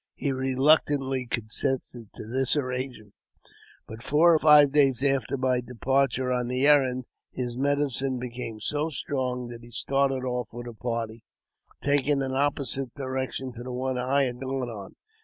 He reluctantly consented to this arrangement ; but, four or five days after my departure on the errand, his medicine became so strong that he started off with a party, taking an opposite direction to the one I had gone on.